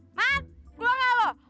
soman keluar lah lo